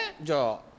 じゃあ。